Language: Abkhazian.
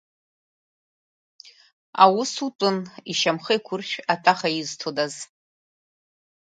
Аус утәын, ишьамхы еиқәыршә атәаха изҭодаз.